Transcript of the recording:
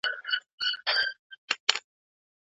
په دې باغ کې سرې مڼې او انار پخېږي.